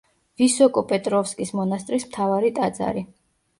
ვისოკო-პეტროვსკის მონასტრის მთავარი ტაძარი.